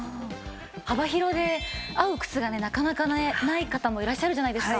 幅広で合う靴がなかなかねない方もいらっしゃるじゃないですか。